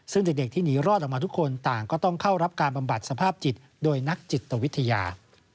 ซึ่งเด็กที่หนีรอดออกมาทุกคนต่างก็ต้องเข้ารับการบำบัดสภาพจิตโดยนักจิตวิทยา